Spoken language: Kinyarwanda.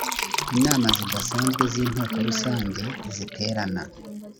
inama zidasanzwe z inteko rusange ziterana